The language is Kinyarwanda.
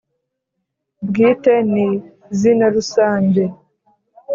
bwite ni zina rusange